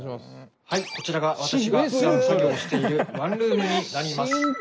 はいこちらが私がふだん作業しているワンルームになります。